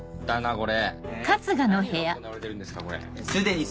これ。